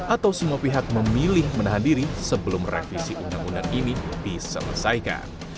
atau semua pihak memilih menahan diri sebelum revisi undang undang ini diselesaikan